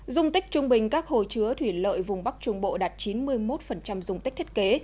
dung tích trung bình các hồ chứa thủy lợi vùng bắc trung bộ đạt chín mươi một dung tích thiết kế